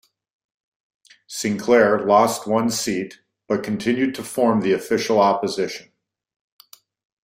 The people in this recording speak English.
Sinclair, lost one seat, but continued to form the official opposition.